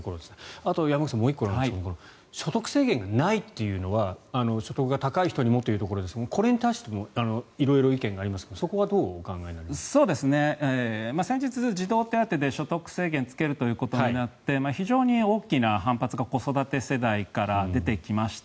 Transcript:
あと、山口さんもう１個なんですが所得制限がないというのは所得が高い人にもというところですがこれに対して色々意見がありますが先日、児童手当で所得制限をつけるということになって非常に大きな反発が子育て世代から出てきました。